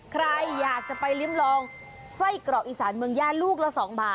ใครอยากจะไปริมลองไส้กรอกอีสานเมืองย่าลูกละ๒บาท